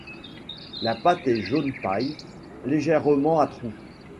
La pâte est jaune paille, légèrement à trous.